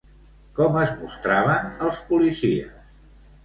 Com es mostraven els policies?